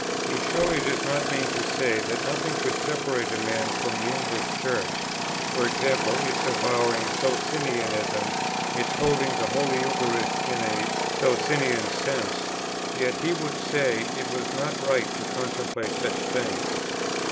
"He surely does not mean to say, that nothing could separate a man from the English Church, e.g. its avowing Socinianism; its holding the Holy Eucharist in a Socinian sense. Yet, he would say, it was not right to contemplate such things.